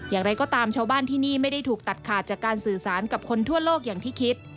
อย่างไรก็ตามชาวบ้านที่นี่ไม่ได้ถูกตัดขาดจากการสื่อสารกับคนทั่วโลกอย่างที่คิด